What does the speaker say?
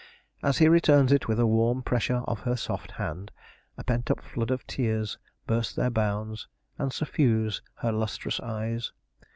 As he returns it, with a warm pressure of her soft hand, a pent up flood of tears burst their bounds, and suffuse her lustrous eyes.